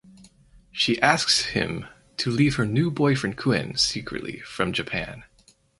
She asks him to leave her new boyfriend Kuen secretly from Japan.